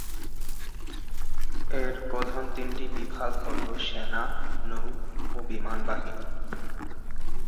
এর প্রধান তিনটি বিভাগ হলো সেনা, নৌ ও বিমান বাহিনী।